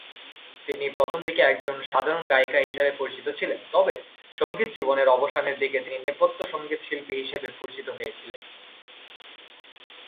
তিনি প্রথমদিকে একজন সাধারণ গায়িকা হিসাবে পরিচিত ছিলেন, তবে সংগীত জীবনের অবসানের দিকে তিনি নেপথ্য সঙ্গীতশিল্পী হিসেবে পরিচিত হয়েছিলেন।